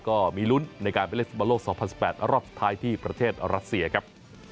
ก็มีลุ้นในการไปเล่นฟุตบอลโลก๒๐๑๘รอบสุดท้ายที่ประเทศรัสเซียครับ